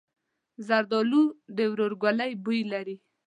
زردالو د ورورګلوۍ بوی لري.